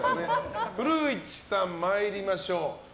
古市さん、参りましょう。